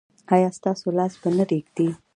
ایا ستاسو لاس به نه ریږدي؟